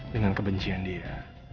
dengan kebencian dia